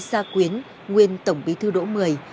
gia quyến nguyên tổng bí thư đỗ mười